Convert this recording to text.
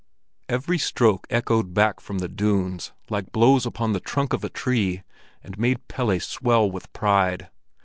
Every stroke echoed back from the dunes like blows upon the trunk of a tree, and made Pelle swell with pride.